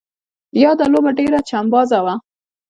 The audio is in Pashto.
یاده لوبه ډېره چمبازه وه.